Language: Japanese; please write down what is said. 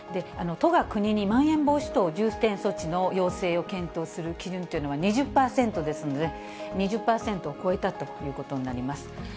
都が国にまん延防止等重点措置の要請を検討する基準というのは２０％ですので、２０％を超えたということになります。